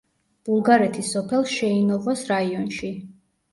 ბულგარეთის სოფელ შეინოვოს რაიონში.